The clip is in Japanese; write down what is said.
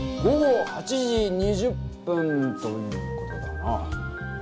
午後８時２０分という事だな。